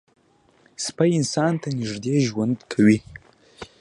سپي انسان ته نږدې ژوند کوي.